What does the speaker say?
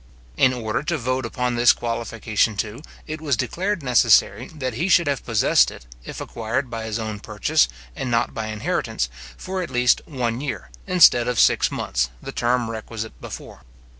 In order to vote upon this qualification, too, it was declared necessary, that he should have possessed it, if acquired by his own purchase, and not by inheritance, for at least one year, instead of six months, the term requisite before.